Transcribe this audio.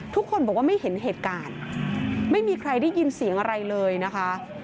ทุกคนบอกว่าไม่เห็นเหตุการณ์ไม่มีใครได้ยินเสียงอะไรเลยนะคะ